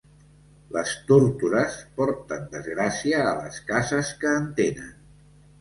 Les tórtores porten desgràcia a les cases que en tenen.